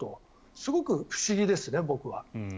すごく不思議ですね、僕は。